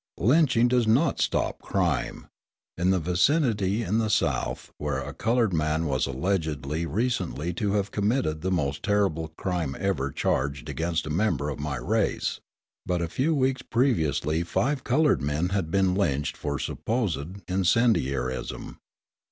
Lynching does not stop crime. In the vicinity in the South where a coloured man was alleged recently to have committed the most terrible crime ever charged against a member of my race, but a few weeks previously five coloured men had been lynched for supposed incendiarism.